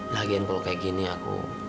lagiin kalau kayak gini aku